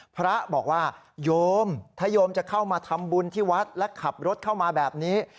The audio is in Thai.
พระบอกว่าโยมถ้าโยมจะเข้ามาทำบุญที่วัดและขับรถเข้ามาแบบนี้